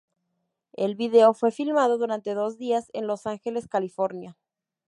El video fue filmado durante dos días en Los Ángeles, California.